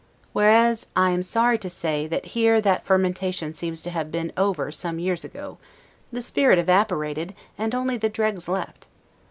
Whereas, I am sorry to say, that here that fermentation seems to have been over some years ago, the spirit evaporated, and only the dregs left.